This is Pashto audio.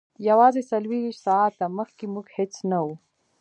یوازې څلور ویشت ساعته مخکې موږ هیڅ نه وو